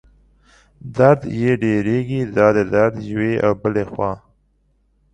درد یې ډېرېږي، دا درد یوې او بلې خوا